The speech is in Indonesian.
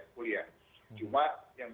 kuliah cuma yang